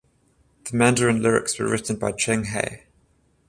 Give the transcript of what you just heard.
The Mandarin lyrics were written by Cheng He.